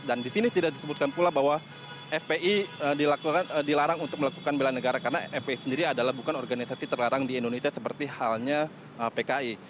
dan disini tidak disebutkan pula bahwa fpi dilarang untuk melakukan bela negara karena fpi sendiri adalah bukan organisasi terlarang di indonesia seperti halnya pki